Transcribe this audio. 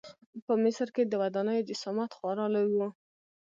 په مصر کې د ودانیو جسامت خورا لوی و.